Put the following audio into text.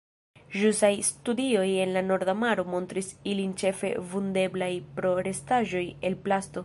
Ĵusaj studioj en la Norda Maro montris ilin ĉefe vundeblaj pro restaĵoj el plasto.